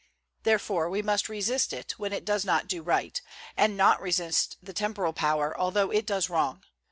Therefore, we must resist it when it does not do right, and not resist the temporal power although it does wrong.